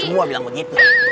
semua bilang begitu